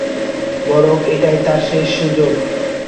এবং এটাই তার সেষ সুযোগ।